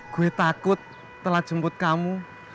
gue takut telah jemput kamu